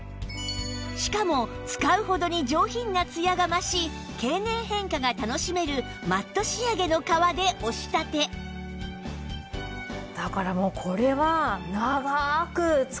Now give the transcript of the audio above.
しかも使うほどに上品なツヤが増し経年変化が楽しめるマット仕上げの革でお仕立てだからもう。